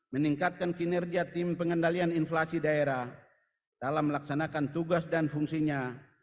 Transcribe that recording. meningkatkan kinerja tim pengendalian inflasi daerah dalam melaksanakan tugas dan fungsinya